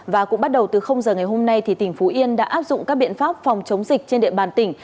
và cũng bắt đầu từ giờ ngày hôm nay tỉnh phú yên đã áp dụng các biện pháp phòng chống dịch trên địa bàn tỉnh